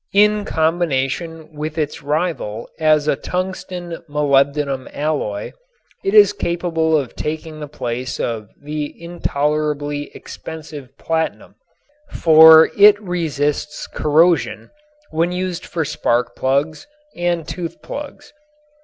In combination with its rival as a tungsten molybdenum alloy it is capable of taking the place of the intolerably expensive platinum, for it resists corrosion when used for spark plugs and tooth plugs.